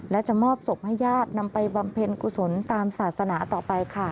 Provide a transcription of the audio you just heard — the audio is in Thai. และจะมอบศพให้ญาตินำไปบำเพ็ญกุศลตามศาสนาต่อไปค่ะ